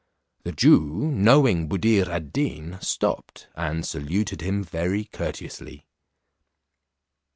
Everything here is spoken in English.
The Jew, knowing Buddir ad Deen, stopped, and saluted him very courteously.